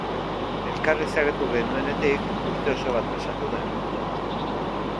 Elkar ezagutu genuenetik urte oso bat pasatu da.